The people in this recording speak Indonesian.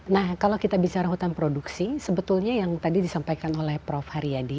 nah kalau kita bicara hutan produksi sebetulnya yang tadi disampaikan oleh prof haryadi